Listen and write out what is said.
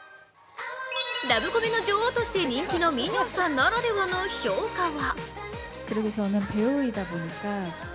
ラブコメの女王として人気のミニョンさんならではの評価は？